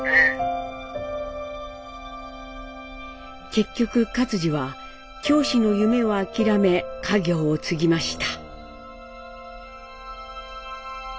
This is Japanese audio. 結局克爾は教師の夢を諦め家業を継ぎました。